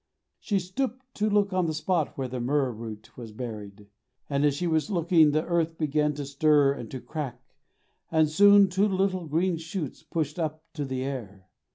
She stooped to look on the spot where the myrrh root was buried, and as she was looking, the earth began to stir and to crack, and soon two little green shoots pushed up to the air.